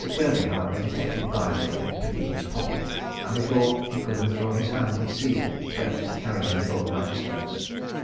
Kirby, however, detected Byfield in picking his pocket, and before he could withdraw his hand, he seized him and threatened to carry him before the magistrates.